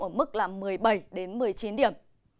các trường sẽ giao động ở mức một mươi bảy một mươi chín điểm